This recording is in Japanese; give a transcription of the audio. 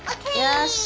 よし！